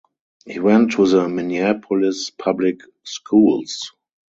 He went to the Minneapolis public schools.